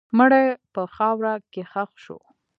مړی په خاوره کې ښخ شو.